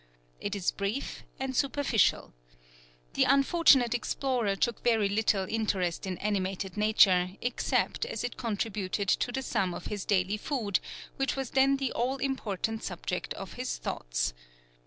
It is brief and superficial. The unfortunate explorer took very little interest in animated nature, except as it contributed to the sum of his daily food, which was then the all important subject of his thoughts.